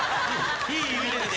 いい意味で。